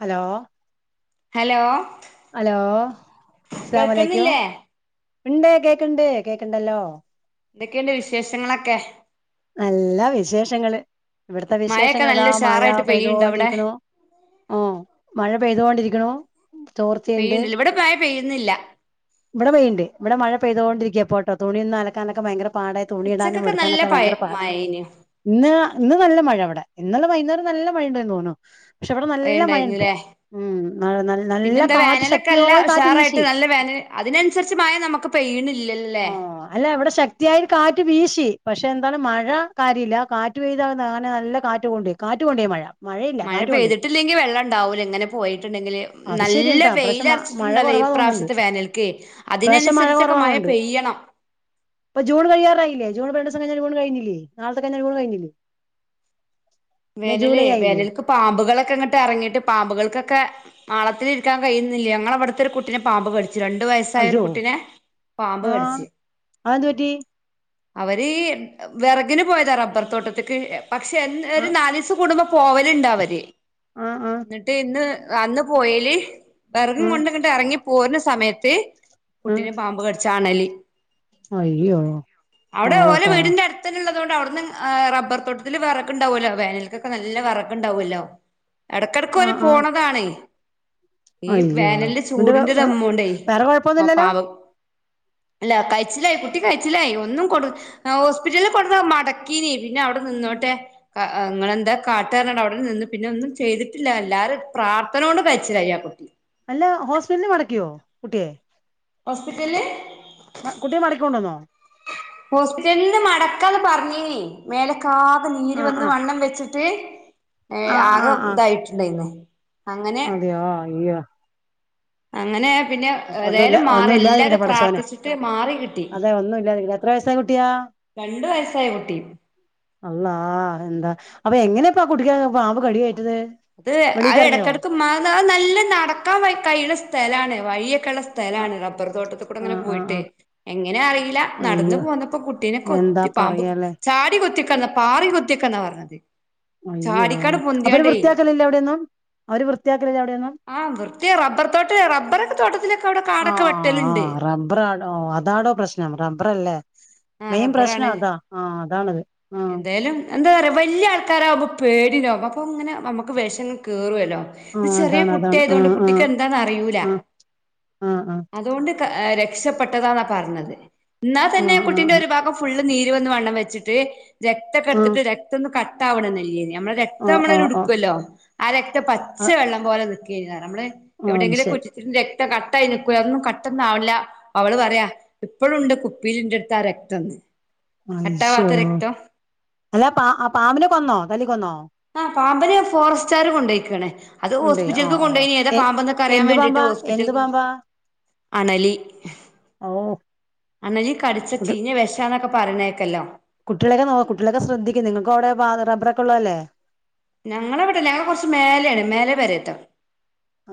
Hello hello hello അസ്സലാമു അലൈക്കും കേൾക്കുന്നില്ലേ ഉണ്ട് കേക്ക്ണ്ട് കേക്ക്ണ്ടല്ലോ എന്തൊക്കെയുണ്ട് വിശേഷങ്ങളൊക്കെ നല്ല വിശേഷങ്ങള് ഇവിട്ത്തെ മഴയൊക്കെ വിശേഷങ്ങൾ ഇതാ നല്ല മഴ ഉഷാറായിട്ട് പെയ്യുണ്ടോ അവിടെ പെയ്തോണ്ടിരിക്ക്ണു ആ മഴ പെയ്തോണ്ടിരിക്ക്ണു ചോർച്ചയുണ്ട് പെയ്യുണ്ടില്ല ഇവിടെ മഴ പെയ്യുന്നില്ല ഇവിടെ പെയ്യ്ണ്ട് ഇവിടെ മഴ പെയ്തോണ്ടിരിക്കുവാഇപ്പം കേട്ടോ തുണി ഒന്നുഅലക്കാനൊക്കെ ഭയങ്ക പാടായി തുണി ഇടാനും ഉച്ചക്കൊക്കെ നല്ല എടുക്കാനൊക്കെ പഴ ഭയങ്കര പാപാ മഴേനു ഇന്ന് ഇന്ന് നല്ല മഴ ഇവിടെ. ഇന്നലെ വൈകുന്നേരം നല്ല മഴ ഉണ്ടേനു തോന്ന്ണു പക്ഷെ ഇവിടെ നല്ല മഴാണ് ഇപ്പൊ മഴണ്ടായിരുന്നുല്ലേ ഉം ന നല്ല പിന്നെന്താ കാറ്റ് വേനലൊക്കെ നല്ല ശക്തിയായി കാറ്റ് ഉഷാറായിട്ട് വീശി നല്ല വേനൽ അതിനനുസരിച്ച് മഴ നമുക്ക് പെയ്യണില്ലല്ലേ ആ അല്ലെ ഇവിടെ ശക്തിയായി കാ റ്റ് വീശി പക്ഷെ എന്താണ് മഴ കാര്യല്ല കാറ്റ്പെയ്താ അങ്ങനെ നല്ല കാറ്റ് കൊണ്ടുപോയി കാറ്റ് കൊണ്ടോയി മഴ. മഴയില്ല മഴ കാറ്റ് കൊണ്ടോയി പെയ്തിട്ടില്ലെങ്കിൽ വെള്ളം ഉണ്ടാവൂല എങ്ങനെ പോയിട്ടുണ്ടെങ്കില് അത് നല്ല ശരിയട്ടാ ഇപ്രാവശ്യം മഴ വെയിലർച്ചിട്ടുണ്ടല്ലോ ഈ ഈ കുറവാ തോന്നുന്നുണ്ട് പ്രാവശ്യത്തെ വോനൽക്ക് അതിനനുസരിച്ചൊക്കെ മഴ പെയ് ഇപ്പം ജൂൺ കഴിയാറായി ല്ല ജൂൺ പ്പം രണ്ടിസം കഴിഞ്ഞാൽ ജൂൺ കഴിഞ്ഞില്ലേ നാളെത്തെ കഴിഞ്ഞാൽ ജൂൺ കഴിഞ്ഞില്ലേ പിന്നെ വേനലേ ജൂലൈ ആയില്ലേ വേനലക്ക് പാമ്പുകളൊക്കെ ഇങ്ങോട്ട് ഇറങ്ങിട്ട് പാമ്പുകൾക്കൊക്കെ മാളത്തിലിരിക്കാൻ കഴിയുന്നില്ല ഞങ്ങളവിട്ത്തെ ഒരു കുട്ടിനെ പാമ്പ് കടി ച്ചു രണ്ടു വയസ്സായ ഒരു അയ്യോ കുട്ടിനെ പാമ്പ് ആഹ് കട്ച്ച് അതെന്ത് പറ്റി അവര് വിറകിന് പോയതാ റബർത്തോട്ടത്തേക്ക് പക്ഷെ ഒരു ആഹ് നാലിസം കൂടുംമ്പം പോവല്ണ്ട് അവര് ആഹ് ആഹ് ന്നിട്ട് ഇന്ന് അന്ന് പോയേല് വെറകും ആഹ് കൊണ്ട് ഇങ്ങട്ട് എറങ്ങി പോര്ന സമയത്ത് ആഹ് കുട്ടിനെ പാമ്പ് കട്ച്ച് അണലി അയ്യോ അവിടെ ഓലെ പാവട്ടാ വീടിന്റെ അട്ത്തെന്നെള്ള അവിടുന്ന് റബ്ബർ തോട്ടത്തിൽ വെറക്ണ്ടാവുല്ലോ വേനലൽക്കൊക്കെ നല്ല വെറക് ണ്ടാവല്ലോ എടയ്കെടയ്ക്ക് ഓല് ആഹ് ആഹ് പോണതാണ് അയ്യോ എന്നിട്ട് ഒരു എമൗണ്ടേ വേറെ കൊഴപ്പൊന്നുല്ലല്ലോ ല്ല കഴിച്ചിലായി കുട്ടി കഴിച്ചിലായി ഒന്നും കൊടു ഹോസ്പിറ്റലിൽ കൊട്ന്ന മടക്കീനി പിന്നെ അവിടെ നിന്നോട്ടെ ഇങ്ങളെന്താ കാട്ടാ ർഞ്കാട്ട് അവിടെന്നെ നിന്ന് പിന്നെ ഒന്നും ചെയ്തിട്ടില്ല എല്ലാരേം പ്രാർത്ഥനോണ്ട് കഴിച്ചിലായി ആ കുട്ടി അല്ല ഹോസ്പിറ്റൽന്ന് മടക്കിയോ കുട്ടിയെ ഹോസ്പിറ്റൽല് കുട്ടിയെ മാടക്കി ക്കൊണ്ടോന്നോ ഹോസ്പിറ്റൽന്ന് മടക്കാന്ന് പറഞ്ഞീനി മേലൊക്കെ ആകെ നീര് ആഹ് വന്ന് ആഹ് വണ്ണം വെച്ചി ട്ട് ആഹ് ആകെ ആഹ് ആഹ് ഇതായിട്ടുണ്ടായിരുന്നു. അതെയോ അയ്യോ അങ്ങനെ പിന്നെ ഒന്നുല്ല ഏതായാലും മാറി ഒന്നും ഇല്ലാതിരിക്കട്ടെ എല്ലാരും പടച്ചോനെ പ്രാർത്ഥിച്ചിട്ട് മാറി കിട്ടി അതെ ഒന്നും ഇല്ലാതിരിക്കട്ടെ എത്ര വയസ്സായ കുട്ടിയാ രണ്ടു വയസ്സായ കുട്ടി അള്ളാ എന്താ അപ്പൊ എങ്ങനെയാ ഇപ്പം ആ കുട്ടിക്ക് പാമ്പ് കടിയേ അത് അ ഇടയ്ക്കിടക്ക് മാ അത് നല്ല നടക്കാൻ കഴിയ്ണസ്ഥലാണ് വഴിയൊ ക്കെള്ള ആഹ് സ്ഥലാണ് റബ്ബർ തോട്ടത്തി കൂടെ അങ്ങനെ ആഹ് പോയിട്ട് ആഹ് എങ്ങനെ അറിയില്ല നടന്ന് അയ്യോ പോന്നപ്പോ കുട്ടീനെ കൊ എന്താ ത്തി പാമ്പ് പറയാലേ ചാടി കൊത്തിക്കല്ല പാറി കൊത്തിക്കന്നാ പറഞ്ഞത്. അയ്യോ ചടിക്കാണ്ട് അവര് പൊന്തിയാണ്ടെ വൃത്തിയാക്കലില്ലേ അവിടെയൊന്നും അവര് വൃത്തിയാക്കലില്ലേ അവിടെയൊന്നും ആ വൃത്തിയാറബ്ബർ തോട്ട് റബർ ആ റബ്ബറാടോ അതാടോ പ്രശ്നം റബ്ബറല്ലേ? ആ മെയിൻ പ്രശ്നം റബ്ബറാണ്. അതാ ആഹ് അതാണത് ആഹ് എന്തായാലും എന്താ പറയാ വലിയ ആൾക്കാരാവുമ്പോ പേടി വോ അപ്പൊ ഇങ്ങനെ നമുക്ക് വിഷം കേയറുവല്ലോ? ഇത് ആഹ് ചെറിയ അതാണ് അതാണ് കുട്ടിയായതുകൊണ്ട് ആഹ് കുട്ടിക്ക് ആഹ് എന്താണന്ന് അറിയൂല. ആഹ് ആഹ് അതുകൊണ്ട് ര രക്ഷപ്പെട്ടതാന്നാ പറഞ്ഞത് എന്നാൽ ആഹ് തന്നെ ആഹ് ആഹ് ആഹ് കുട്ടിന്റെ ഒരു ഭാഗം ഫുള്ള് നീര് വന്ന് വണ്ണം വെച്ചിട്ട് രക്തൊക്കെ ആഹ് എടുത്തിട്ട് രക്തം ഒന്ന് കട്ട് ആവണം നല്ലേന് മ്മള രക്തം ആഹ് നമ്മള ആഹ് ഒരു ആഹ് ഉടുക്കുവല്ലോ ആ രക്ത ആ പച്ചവെള്ളം പോലെ നൽക്കുകഴ നമ്മള് ആ അത് എവിടെയെങ്കിലും ശരി [unintelligible] കട്ടായി നക്കൂ ഒന്നും കട്ടൊന്നാവില്ല അവള് പറയാ ഇപ്പഴുണ്ട് കുപ്പിയിലിണ്ട് കറക്ടർന്ന് അയിശ്ശോ, അല്ല പാ ആ പാമ്പിനെ കൊന്നോ തല്ലി കൊന്നോ? ആ പാമ്പിനെ ഫോറസ്റ്റ്കാര് കൊണ്ടേയ്ക്കാണ്. അത് കൊണ്ടോയി ഓ ഹോസ്പിറ്റൽക്ക് ഓ കൊണ്ടോയിനി, ഏതാ എ പാമ്പ്ന്നൊക്കെ അറിയാൻ എന്ത് വേണ്ടീട്ട് പാമ്പാ ഹോസ്പിറ്റൽ എന്ത് പാമ്പാ അണലി ഓ അണലി കടിച്ച കുട്ടി ചീഞ്ഞ വിശന്നൊക്കെ പറഞ്ഞേക്കല്ലോ കുട്ടികളൊക്കെ നോ കുട്ടികളൊക്കെ ശ്രദ്ധിക്കും നിങ്ങൾക്കടെ റബറ ഒള്ളതല്ലേ ഞങ്ങളെവിടെല്ല ഞങ്ങൾ കുറച്ച് മേലെയാണ് മേലെ പെരേത്തെ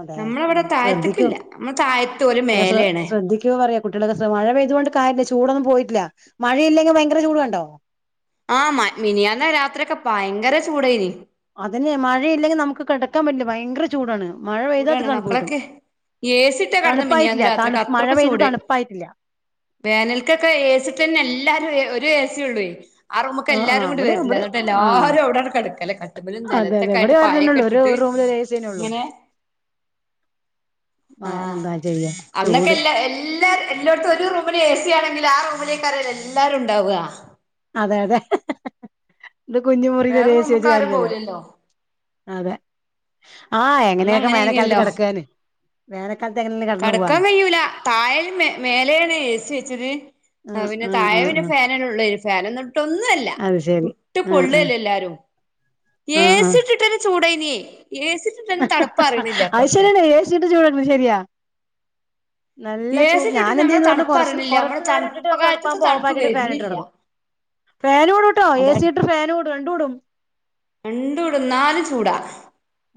അതെ ആ ശ്രദ്ധിക്കൂ നമ്മള് താഴത്ത് ഓല് അ ശ്ര മേലെയാണ് ശ്രദ്ധിക്കൂ ന്ന് പറയാ കുട്ടികളൊക്കെ മഴ പെയ്ത കൊണ്ട് കാര്യല്ല ചൂടൊന്നും പോയിട്ടില്ല മഴയില്ലെങ്കിൽ ഭയങ്കര ചൂട് കണ്ടോ ആഹ മ മിനിയന്ന് രാത്രിയോക്കെ ഭയങ്കര ചൂടെനി അതിന് മഴയില്ലെങ്കിൽ നമുക്ക് കിടക്കാൻ പറ്റില്ല ഭയങ്കര ചൂടാണ് മഴ പെയ്താ ചൂടാണ് തണുപ്പ് കിട്ടും മക്കളൊക്കെ ഏസിട്ടാ കിടന്ന മിനിയാന്ന് തണുപ്പായിട്ടില്ല തണു രാത്രിയോക്കെ മഴ അത്രൊക് പെയ്ത് ചൂട് തണുപ്പായിട്ടില്ല വേനൽക്കൊക്കെ എസിട്ടന്നെ എല്ലാരും ഒരു എസിയൊന്നെള്ളൂ ആ റൂമൊക്കെ ആ എല്ലാരും കൂടി ഇവിടെ വരില്ല ഇവിടെ എന്നിട്ട് ആ എല്ലാരുംഅവിടങ്ങട്ട് കിടക്കൽ കട്ടുമ്മലും നിലത്തൊക്കൊയിട്ട് പായൊക്കെ ഇട്ടിട്ട് ഇവിടെയൊരു എസി [inaudible] ഉള്ളു ആഹ ചെയ്യാ അന്നൊക്കെ ചൂട് എല്ലാ എല്ലാ എല്ലായിടത്തും ഒരു റൂമില് എസിയണെങ്കിൽ ആ റൂമിലേക്ക് ആണല്ലോ എല്ലാരും ഉണ്ടാവുക അതെ അതെ ഇ കുഞ്ഞി മുറിൽ ഒരു വേറെ എസി റൂമ്ക്ക് ആരും കാര്യരിക്കല്ലോ പോവുലല്ലോ അതെ ആഹ് അന്ന് എങ്ങനെയൊക്കെ വേനൽക്കാലത്ത് അങ്ങനെയ്നല്ലോ കിടക്കാന് വേനക്കാലത്ത് കടക്കാൻ കഴൂല തായൽ മേലെയാണ് ഏസി വെച്ചത് ആ പിന്നെ താഴെ പിന്നെ ഫാനലെഉള് ഫാൻഒന്നും ഇട്ട ഒന്നുമല്ല അത് ശരി ചുട്ട് ആ ആ പൊള്ളല്ല എല്ലാരും ആ ആ ഏസിട്ടിട്ടന്നെ ചൂടായിന്ന് ഏസിട്ടിട്ടന്നെ തണുപ്പറിയണില്ല അത്ര അത് ശരിയാണ് എ സി ഇട്ട് ചൂടാക്കണത് ശരിയാ നല്ല ചൂട് ഇട്ടിട്ട് ഞാനെന്ത നമ്മളെ ചെയന്ന് തണുപ്പ് പറഞ്ഞഞ് അറിയണില്ല നമ്മളെ കൊറച്ചു നേരം ഇട്ടിട്ട് തണുപ്പ് കാലത്ത്ത്തെ തണപ്പാക്പോ തണുപ്പ് ഓഫാക്കിയിട്ട് ഫാൻ ഇട്ട് വരുന്നില്ല കിടക്കും ഫാനും ഇടൂട്ടോ അതാണ് എസിട്ട് ഫാനും ഇടും രണ്ടും ഇടും രണ്ടൂടും ന്നാലും ചൂടാ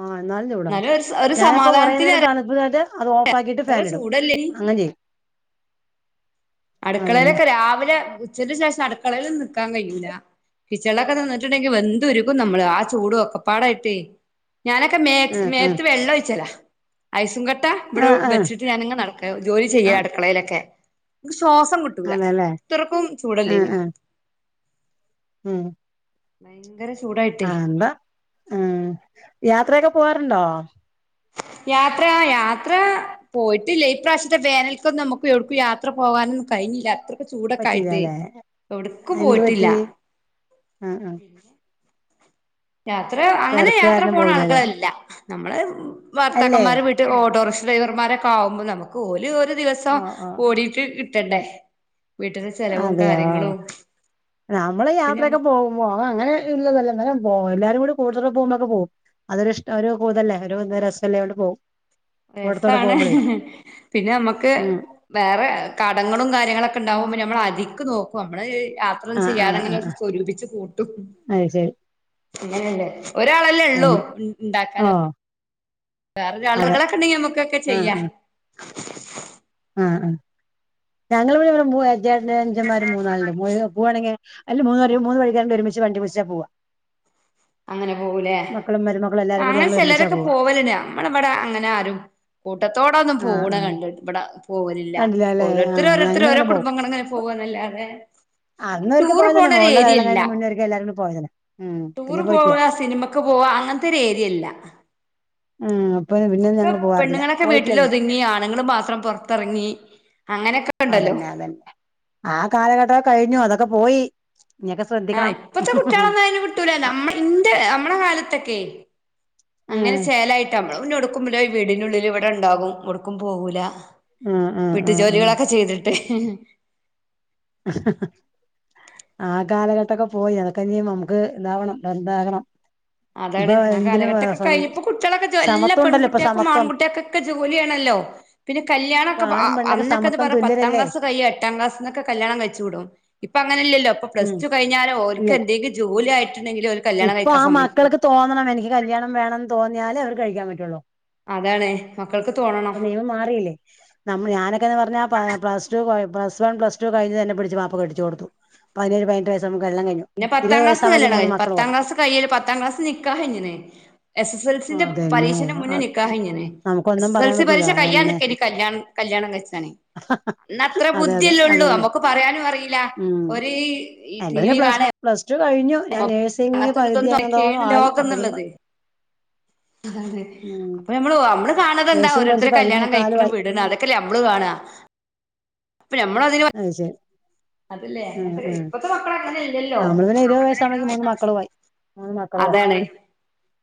ആഹ നല്ലൂടാ എന്നാലും ഒരു ഒരു ഞാനപ്പ കൊറേ സമാധാനത്തിന് നേരം അറിയ തണുപ്പതായിട്ട് അത് ഓഫ ഫാക്കിട്ട് ഫാൻ എത്ര ഇടും ചൂടല്ലേ അങ്ങനെ ചെയ്യും അതന്നെ അടുക്കളയിലൊക്കെ രാവിലെ ഉച്ചന്റെ ശേഷം അടുക്കളൽ നിക്കാൻ കഴിയില്ല കിച്ചണ്ളൊക്കെ നിന്നിട്ടുണ്ടെങ്കി വെന്തുരുകും നമ്മള് ആ ചൂട് ഒക്കപ്പാടായിട്ടേ ഞാനൊക്കെ മേ ആഹ് ആഹ് മേത്ത് വെള്ളം ഒഴിച്ചലാ ഐസുങ്കട്ട ട്ടാ ഇവിടെ ആഹ് ആഹ് ബെചീറ്റ് ഞാനിങ്ങനെ നടക്ക ജോലി ചെയ്യ ആഹ് അടുക്കളയിലൊക്കെ എനിക്ക് ശ്വാസം കിട്ടൂല അതെല്ലേ ഇത്രക്കും ചൂടല്ലേനോ മ്മ് ന ആഹ എന്താ ഉ യാത്രയൊക്കെ പോവാറുണ്ടോ യാത്ര യാത്ര പോയിട്ടില്ല ഈപ്രാവശ്യത്തെ വേനൽക്കൊന്നും നമുക്ക് എവിടക്കും യാത്ര പോക ന്നും കഴിഞ്ഞില്ലാ [inaudible] ചൂടൊക്കെ ആയിട്ടേ പറ്റിയില്ലല്ലേ എവിടക്കും എന്ത് പോയിട്ടില്ല പറ്റി ആഹ് യാത്ര ആഹ് അങ്ങനെ തെരക്ക് യാത്ര കാരണം പോണ പോയില്ലല്ലേ ആളുകളല്ല നമ്മള് അല്ലേ വർത്താക്കന്മാര് വീട്ടിൽ ഓട്ടോ ഡ്രൈവർമാരൊക്ക ആകുമ്പോൾ നമുക്ക്ഓ ദിവസം ഓഹ് ഓഹ് ഓടിട്ട് കിട്ടണ്ടേ ആഹ് വീട്ടില് ചെലവും അതെയോ കാര്യങ്ങളും നമ്മള് പിന്നെ യാത്രയൊക്കെ നമുക്ക് പോകുമ്പോ അങ്ങനെ ഇല്ലതല്ല നേം പോ എല്ലാരും കൂടി കൂടുതൽ പോക്പോക്കെ പോകും അതൊ ഇഷ്ടം ഒരു കൂതല്ല ഒരു രസംമല്ലോവിടെ പോകവും രസാണ് പിന്നെ നമ്മുക്ക് ഉം വേറെ കടങ്ങളും കാര്ങ്ങളൊക്കെ ഉണ്ടാവുമ്പോ നമ്മൾ അത്ക്ക് നോക്കും നമ്മള് യാത്രന്നും ആഹ് ആഹ് ആഹ് ചെയ്യാതങ്ങനെ ആഹ് സ്വരൂപിച്ച് കൂട്ടും അത് ശരി അങ്ങനെല്ലേ ഒരാളല്ലേ ള്ളൂ ഇണ്ണ്ടാക്കാൻ ഓഹ് വേറെ അതെ രളുകളൊക്കെ ണ്ടെങ്കി നമ്മുക്കൊക്കെ ആഹ് ചെയ്യാ അ അ ഞങ്ങൾവിടേ [unintelligible] ഇജ്ജ് വണ്ടി വിളിച്ചാ പോവ്വാ അങ്ങനെ പോകൂലേ മരുമക്കളും ആ എല്ലാരും കൂടി അങ്ങനെ ഞങ്ങൾ ഒരുമിച്ചാ ചിലരൊക്കെ പോവാ പോവല്ണ്ട് നമ്മളവിടെ അങ്ങനെ ആരും കൂട്ടത്തോടൊന്നും ആ ആ പോണ് കണ്ട് ഇവടെ അ പോകലില്ല കണ്ടില്ല അല്ലേ ആ ഓരോരുത്തര് ഓരോരുത്തര് ഓരോ ഞങ്ങളിങ്ങനെ കുടുംബങ്ങള് ഇങ്ങനെ പോവന്നല്ലാതെ ആ അന്ന അവർക്ക് പോയതനെ മുകള എല്ലാർക്കും പോയതന്നെ പിന്നെ തൂറ് പോയിട്ടില്ല പോവ സിനിമക്ക് പോവാ അങ്ങൻത്തെരു ഏരിയല്ല ഉം അപ്പൊ പിന്നെ ഒക്കെ ഞങ്ങൾ പോവാറില്ല പെണ്ണുങ്ങളെക്കെ വീട്ടിൽ പോയിട്ടില്ല പിന്നെ ലൊതുങ്ങി ആണുങ്ങള്ൾ മാത്രം പൊർത്തറങ്ങി അതഞ്ഞെ അതഞ്ഞെ ആ കാലഘട്ടം കഴിഞ്ഞു അതൊക്കെ പോയി ഇനിയൊക്കെ ആഹ് ശ്രദ്ധിക്കണം ഇപ്പത്തെ കുട്ടികളൊന്നും അയിന് കിട്ടൂലല്ലോ ആ നമ്മ ഇന്റെ നമ്മള കാലത്തൊക്കെ ഉം അങ്ങനെ ചേലായിട്ട് ക്കുമ്പിടെ വീടിനുള്ളിൽ ഇവിടെ ണ്ടാ ഉം ഉം ഉം ഉം [unintelligible] [inaudible] ആ കാലഘട്ടൊക്കെ പോയി അതൊക്കെ ഇനി മാമക്ക് ഇതാവണം ന്താകണം അതാണ് ആ കാലഘട്ടൊകൊക്കെ കഴിഞ്ഞു പ്പ കുട്ടികളക്കെ എല്ലാ സമത്വം ഉണ്ടല്ലോ ഇപ്പൊ പെൺകുട്ടിയൾക്കും സമത്വം ആൺകുട്ടിയൊക്കൊക്കെ ജോലിയാ ല്ലോ പിന്നെ ഇപ്പൊ കല്യാണൊക്കെ ആണും പെണ്ണൊക്കെ അന്നൊക്കെ സമത്വം പറഞ്ഞ പത്താം തുല്യരല്ലേ ക്ലാസ് കഴിയാ എട്ടാം ക്ലാസ്ന്നൊക്കെ കല്യാണം കഴി ഇപ്പൊ അങ്ങനല്ലല്ലോ അ പ്ലസ് ഉം ടു കഴഞ്ഞാല് ഒര്ക്ക് ഇല്ലില്ല എന്തെലും ജോലി ആയി ണ്ടെങ്കിലൊ ഓല് കല്യാണം ഇപ്പൊ കഴിക്കൻ ആ സമയി മക്കൾക്ക് തോന്നണം എനിക്ക് കല്യാണംവേണംന്ന് തോന്നിയാല് അവർ കഴിക്കാൻ പറ്റുള്ളൂ അതാണ്േ മാറലില്ലേ നമ്മ ഞാനൊക്കെന്ന് പറഞ്ഞാ പ്ലസ് ടു പ്ല വൺ പ്ലസ് ടു കഴഞ് ഞെന്നെ പിടിച്ച് വാപ്പ കെട്ടിച് കൊടുത്തു പയി നേഴ് പയിനെട്ട് വയസ്സ് പിന്നെ പത്താം ക്ലാസ്സിന്ന് കല്ല്യണം പത്താം ക്ലാസ് കയ്യല് പത്താം ക്ലാസ് നിക്കാഹ്‌ കയിഞ്ണ് എസ് സൽ സി എൽസിന്റെ പരീക്ഷന്റെ മുഞെ നിക്കാഹ്‌ കയിഞ്ണ് കൊന്നും പറയാ ത് പരീശ കയ്യാൻ നീക്കേനി കല്യാണം കല്യാണം കയിചാന് ന്നാ ത്ര അതെ അതെ ബുദ്ധില്ലേള്ളൂ അതന്നെ നമ്മുക്ക് പറയാനും അറീല്ല ഒര് ന്റെ പ്ലസ് പ്ലസ് റ്റു കയിഞ്ഞു ഞാന് അങ്ങനത്തെ ഇതൊന്നും അതെ അപ്പൊനമ്മള് മ്മള് നമ്മളെന്താ നേഴ്സിംഗ് പഠിച്ച് ഓരൊർത്തര് പകുതി കല്യാണം മുക്കാലും കയിക്ക്ണ് ആയി വിടണ് അതൊക്കെല്ലേ നമ്മള് കാണാ അപ്പൊ നമ്മള് അതില് അത് ശരി അങ്ങനെ ഇല്ലല്ലോ നമ്മള് പിന്നെ ഇരുവത് വയസ്സാബ്ലേക്കും മൂന്ന് മക്കളു ആയി മൂന്ന് മക്കുളുയി അതാണ്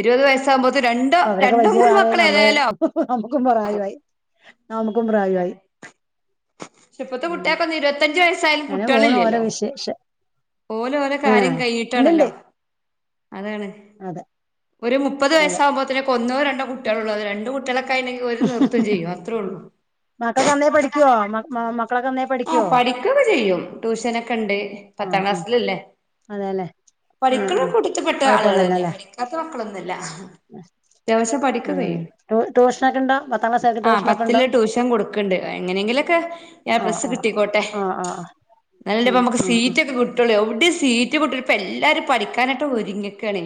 ഇരുപത് വയസ്സാകുമ്പോത്ത് രണ്ടോ അപ്പ വരൊക്കെ രണ്ടോ മൂന്ന് വലിയ മക്കൾ നമ്മള് ഏതായാലോ മുക്കും പ്രായവായി നമുക്കും പ്രായവായി ഉം കുട്ട്യേക്കൊന്നും ഇരുവത്തഞ്ച് വയസ് സായാലും അങ്ങനെ പോണു ഓരോ കുട്ടിളിലല്ലല്ലോ വിശേഷം ഓല് ഓലെ കാര്യം ആഹ് കൈയിട്ടാണല്ലോ ഇണ്ട്ണ്ട് അതാണ് അതെ ഒരു മുപ്പത് അതെ വയസ്സാകുമ്പോത്തിന് കൊന്നുരണ്ണം കുട്ടികൾ ഉള്ളത് രണ്ട്കുട്ടികൾ [unintelligible] മക്കൾക്ക് ന്നന്നേ പഠിക്കുഓ മക്കളൊക്കെ ഹാ പഠിക്കുവോ പഠിക്കൊക്കെ ചെയ്യും ട്യൂഷനൊക്കെ ണ്ട് പത്താം ആഹ് ആഹ് ക്ലാസ്സിലല്ലേ അതെല്ലേ ആഹ് പഠിക്കണ ആഹ് കൂട്ടത്തിൽ പെട്ട ആളുകൾ തന്നെ കൊഴപ്പൊന്നുല്ലല്ലേ പഠിക്കാത്ത മക്കളൊന്നുല്ലാ [inaudible] ദിവസം പഠികൊക്കെ ഉം കെയ്യും ട്യൂ ട്യൂഷനൊക്കെ ഉണ്ടോ പത്താം ക്ലാസ്സുകാർക്ക് ആ ട്യൂഷനൊക്കെ പത്തിൽ ഉണ്ടോ ട്യൂഷൻ കൊടുക്ക്ണ്ട് എങ്ങനെങ്കിലോ ക്കെ എ ആഹ് പ്ലസ് ആഹ് കിട്ടിക്കോട്ടെ ആഹ് ആഹ് ന്നല്ലപ്പോ ആഹ് മ്മക്ക് ആഹ് സീറ്റൊക്കെ കിട്ടുള്ളൂ ദ് സീറ്റ് [inaudible] പ്പ ല്ലാരും പഠിക്കാനാട്ട് ഒരുങ്ങിക്കാണേ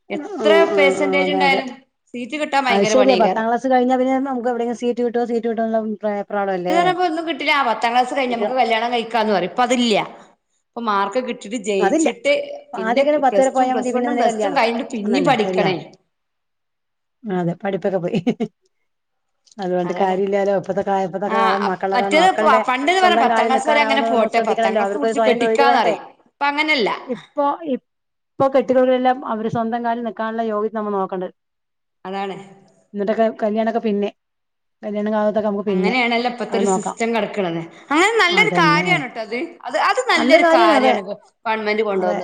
ആഹ് ആഹ് എത്ര ആഹ് ആഹ് പേസെന്റേജ് അതെ അതെ ഉണ്ടായാലും സീറ്റ് കിട്ടാൻ അത് ഭയങ്കര ശരിയാ പത്താം പണീകാരം. ക്ലാസ് കഴിഞ്ഞാ പിന്നെ നമുക്ക് എവിടെയെങ്കിലും സീറ്റ് കിട്ട്വോ സീറ്റ് കിട്ട്വോന്നൊള്ളഭിപ്രായം. ഇത്പ്പോ ഒന്നും കിട്ടീല്ല, ആ പത്താം ക്ലാസ് കഴിഞ്ഞ് കുട്ടിക നമുക്ക് കല്യാണം കഴിക്കാന്ന് പറയും, ഇപ്പൊ അതില്ല്യ. അപ്പ മാർക്ക് കിട് ട്ടിട്ട് അതില്ല ജയിച്ചിട്ട്, പിന്നെ ആദ്യക്കെ പത്ത് വരെ പ്ലസ് ടു പോയാൽ പ്ലസ് മതി പിന്നെ വണ്ണും നിന്റെ പ്ലസ് ടും കല്യാണം കഴിഞ്ഞട്ട് പിന്നിം അന്നന്നെ ശരിയാ പഠിക്കണേ. അതെ പഠിപ്പക്ക പോയി. അതുകൊണ്ട് അതാണ് കാര്യല്ലാലോ, ഇപ്പഴത്തെ കാ ഇപ്പഴത്തെ ആ കാലം മക്കളുടെ കാര്യം മറ്റേത് മക്കൾടെ പണ്ട്ന്ന് പറഞ്ഞ സ്വന്തം പത്താം കാലിൽ ക്ലാസ് വരെ അങ്ങനെ നിൽക്കാറാവുന്നമ്മക് പോട്ടെ പത്താം ശ്രദ്ധിക്കണല്ലോ ക്ലാസ് അവർക്ക് ഒരു മുടിച്ച് സ്വയം തൊഴിലു വേണ്ടേ? കെട്ടിക്കാന്നറിയും ഇപ്പൊ അങ്ങനെയല്ല ഇപ്പ ഇപ്പൊ കെട്ടുകളിലെല്ലാം അവരു സ്വന്തം കാലിൽ നിക്കാനുള്ള യോഗ്യത നമ്മൾ നോക്കണ്ടത്. അതാണ് എന്നിട്ടൊക്കെ കല്യാണക്കെ പിന്നെ കല്യാണക്കാ അങ്ങനെയാണല്ലോ ഇപ്പത്തെ ഒരു സിസ്റ്റം കിടക്കണത് അങ്ങനെ നല്ലൊരു അതന്നെ കാര്യമാണ് കേട്ടോ അത് അത് അത് നല്ലൊ നല്ല ഒരു കാര്യാണ് അതെ കാര്യാണത്. അതെ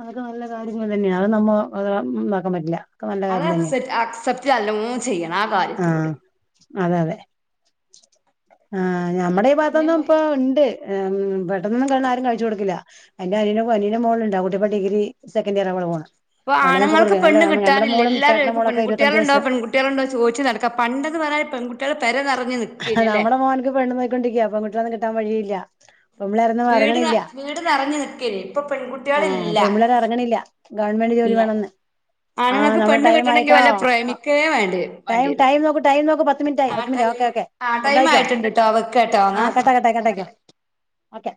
അതൊക്കെ നല്ല കാര്യങ്ങള് തന്നെയ, അത് നമ്മ ഉണ്ടാക്കാൻ പറ്റില്ല. ഒക്കെ നല്ല കാര്യം അതസെറ്റ് അക്സെപ്റ്റ് എല്ലോം ചെയ്യാം. ആ അതെ അതെ. ആ ഞമ്മുടെ ഈ ഭാഗത്തൊന്നും പിന്നെന്താ ഇപ്പൊ, ഉണ്ട് പെട്ടെന്നൊന്നും കല്യാണം ആരും കഴിച്ചു കൊടുക്കില്ല എന്റനിയന് അനിയന്റെ മോളുണ്ട് ആ കുട്ടി ഇപ്പ ഡിഗി സെക്കന്റ് ഇയർ ആവ. പോണ്. ഇപ്പ അവളാണ് ഇപ്പൊ ആണുങ്ങൾക്ക് കൊടുക്ക പെണ്ണു നമ്മുടെ കിട്ടാനില്ല മോളും എല്ലാരും ചേട്ടന്റെ ഇപ്പൊ മോളൊക്കെ ഇരുപത്തഞ്ച് പെൺകുട്ടികളുണ്ടോ വയസ്സ് പെൺകുട്ടികളുണ്ടോ ചോദിച്ചു നടക്കാ പണ്ട പറയാ പെൺകട്ടികള് പെര നെറഞ്ഞു നിക്ക് നമ്മുടെ മോനക്ക് പെണ്ണു നോയിക്കൊണ്ടിരിക്കയാ പെൺകുട്ടികളെയൊന്നും കിട്ടാൻ വഴിയില്ല. പെമ്പിള്ളേരൊന്നും വീട് ന ഇറങ്ങണില്ല വീട് നിറഞ്ഞു നിക്കേനി ഇപ്പൊ ആ പെൺകുട്ടികളില്ല പെമ്പിള്ളേരെറങ്ങണില്ല ഗവൺമെന്റ് ന്റ് ജോലി ഇല്ല വേണന്ന് ആ ആണുങ്ങൾക്ക് നമ്മള പെണ്ണ് ടൈം കിട്ടണമെങ്കിൽ ആയിട്ടോ, വല്ല പ്രേമിക്കേ വേണ്ടി ടൈം വേണ്ടി വരും ടൈം നോക്ക്, ടൈം നോക്ക്, പത്ത് മിനിറ്റ് ആയി, ആ പത്ത് minute, okay time okay ആ ടൈം എന്തായിക്കോ ആയിട്ടുണ്ട് ട്ടോ വെക്കാട്ടോ ആ കട്ടാ എന്നാ കട്ടായി കട്ടാക്കിക്കോ. ഓക്കെ